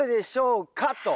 と。